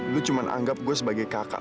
lu cuma anggap gue sebagai kakak